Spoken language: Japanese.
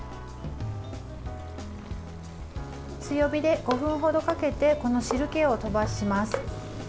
強火で５分ほどかけてこの汁けを飛ばします。